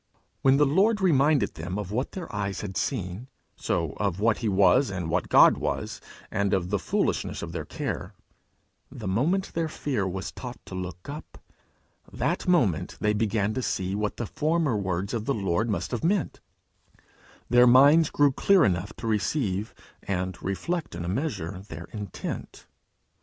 When the Lord reminded them of what their eyes had seen, so of what he was and what God was, and of the foolishness of their care the moment their fear was taught to look up, that moment they began to see what the former words of the Lord must have meant: their minds grew clear enough to receive and reflect in a measure their intent.